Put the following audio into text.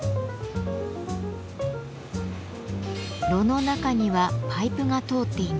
炉の中にはパイプが通っています。